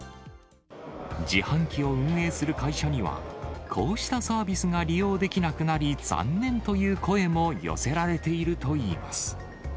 自販機を運営する会社には、こうしたサービスが利用できなくなり、残念という声も寄せられているといいます。